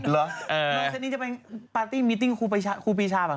น้องเซนนี่จะไปปาร์ตี้มิตติ้งครูปีชาบ่ะคะ